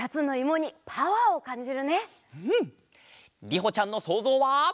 りほちゃんのそうぞうは。